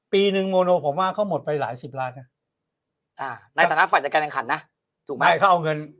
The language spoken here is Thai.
ปี๑โมโนผมว่าเขาหมดไปหลายสิบล้านน่ะอ่าในฐานะฝันจากการังขันต์นะถูกต้องให้เขาเงิน